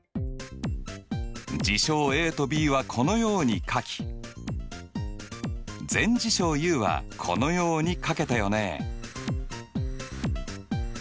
事象ＡとＢはこのように書き全事象Ｕはこのように書けたよね。